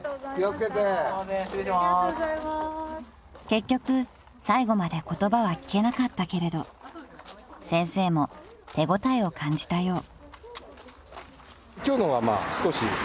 ［結局最後まで言葉は聞けなかったけれど先生も手応えを感じたよう］